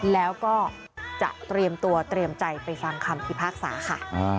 แล้วก็จะเตรียมตัวเตรียมใจไปฟังคำพิพากษาค่ะ